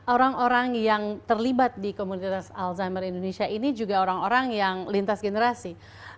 orang orang yang terlibat di komunitas alzheimer indonesia ini juga orang orang yang lintas generasi